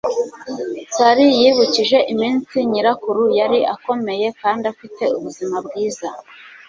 sally yibukije iminsi nyirakuru yari akomeye kandi afite ubuzima bwiza